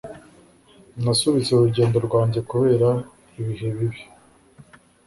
Nasubitse urugendo rwanjye kubera ibihe bibi.